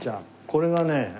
これがね。